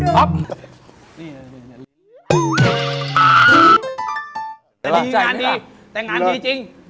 เท่งหนังดีจริง